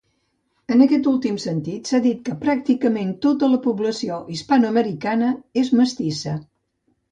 En aquest últim sentit s'ha dit que pràcticament tota la població hispanoamericana és mestissa.